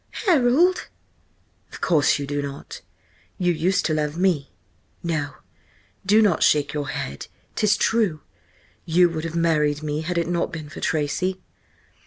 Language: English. "Harold!" "Of course you do not! You used to love me–no, do not shake your head, 'tis true! You would have married me had it not been for Tracy."